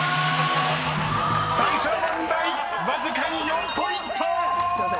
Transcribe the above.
［最初の問題わずかに４ポイント！］